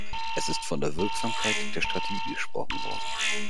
Es ist von der Wirksamkeit der Strategie gesprochen worden.